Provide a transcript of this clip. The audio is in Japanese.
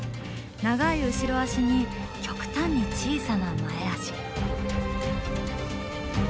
長い後ろ足に極端に小さな前足。